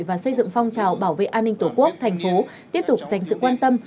và xây dựng phong trào bảo vệ an ninh tổ quốc thành phố tiếp tục dành sự quan tâm